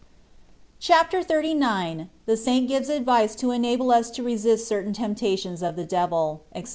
CHAPTER XXXIX. THE SAINT OIVEB ADVICE TO ENABLE US TO BESIST CERTAIN TEMPTATIONS OF THE DEVIL, ETC.